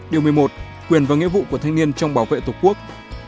điều một mươi một quyền và nghĩa vụ của thanh niên trong bảo vệ tổ quốc